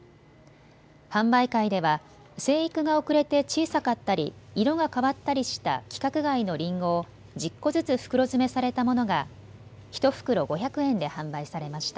販売会では生育が遅れて小さかったり色が変わったりした規格外のりんごを１０個ずつ袋詰めされたものが１袋５００円で販売されました。